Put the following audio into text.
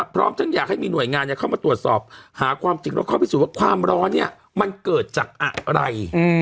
พร้อมทั้งอยากให้มีหน่วยงานเข้ามาตรวจสอบหาความจริงแล้วเข้าพิสูจน์ว่าความร้อนมันเกิดจากอะไร